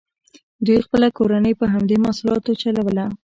دوی خپله کورنۍ په همدې محصولاتو چلوله.